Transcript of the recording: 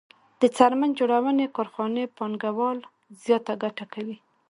د څرمن جوړونې کارخانې پانګوال زیاته ګټه کوي